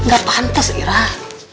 gak pantes irah